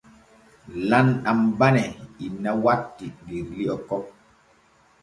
Lamɗam bane inna watti der li’o kon.